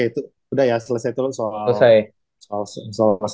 itu udah ya selesai soal